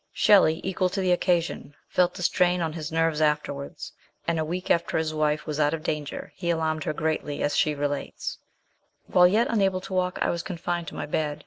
Shelley, equal to the occasion, felt the strain on his nerves afterwards, and a week after his wife was out of danger he alarmed her greatly, as . he relates :" While yet unable to walk, I was confined to my bed.